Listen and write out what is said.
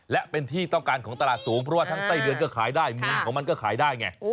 และเป็นที่ต้องการของตลาดสูงเพราะว่าทั้งไส้เดือนก็ขายได้มุมของมันก็ขายได้ไง